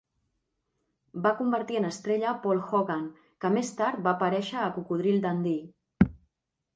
Va convertir en estrella Paul Hogan, que més tard va aparèixer a Cocodril Dundee.